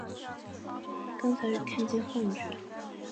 刚才看见幻觉了！